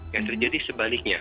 yang terjadi sebaliknya